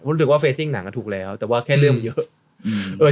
รู้สึกว่าเฟสติ่งหนังถูกแล้วแต่ว่าแค่เรื่องมันเยอะ